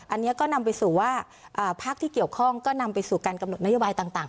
อันนี้ก็นำไปสู่ว่าภาคที่เกี่ยวข้องก็นำไปสู่การกำหนดนโยบายต่าง